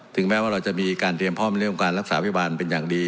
แม้ว่าเราจะมีการเตรียมพร้อมในเรื่องของการรักษาพยาบาลเป็นอย่างดี